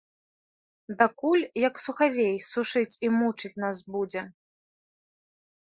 Дакуль, як сухавей, сушыць і мучыць нас будзе?